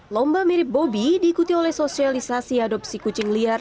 lomba mirip bobi diikuti oleh sosialisasi adopsi kucing liar